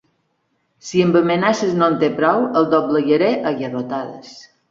Si amb amenaces no en té prou, el doblegaré a garrotades!